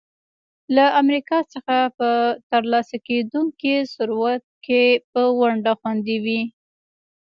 له امریکا څخه په ترلاسه کېدونکي ثروت کې به ونډه خوندي وي.